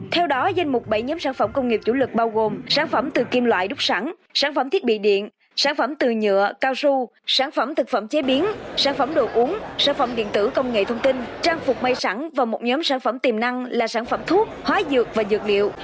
theo đó danh mục bảy nhóm sản phẩm công nghiệp chủ lực bao gồm sản phẩm từ kim loại đúc sẵn sản phẩm thiết bị điện sản phẩm từ nhựa cao su sản phẩm thực phẩm chế biến sản phẩm đồ uống sản phẩm điện tử công nghệ thông tin trang phục mây sẵn và một nhóm sản phẩm tiềm năng là sản phẩm thuốc hóa dược và dược liệu